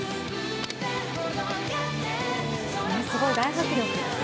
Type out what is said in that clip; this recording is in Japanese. すごい、大迫力。